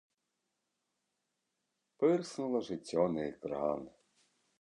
Пырснула жыццё на экран.